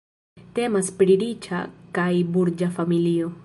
Temas pri riĉa kaj burĝa familio.